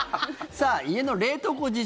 さあ、家の冷凍庫事情。